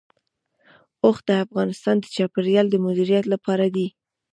اوښ د افغانستان د چاپیریال د مدیریت لپاره دی.